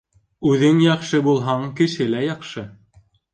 Үҙең яҡшы булһаң, кеше лә яҡшы.